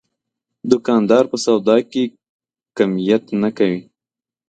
دوکاندار په سودا کې کمیت نه کوي.